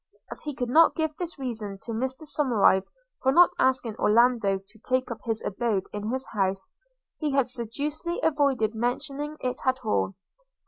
As he could not give this reason to Mr Somerive for not asking Orlando to take up his abode in his house, he had sedulously avoided mentioning it at all.